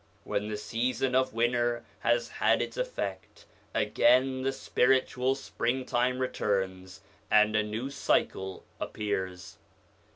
When the season of winter has had its effect, again the spiritual springtime returns and a new cycle appears.